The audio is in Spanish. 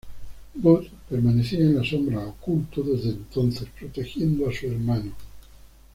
Bud permanecía en la sombras oculto desde entonces, protegiendo a su hermano.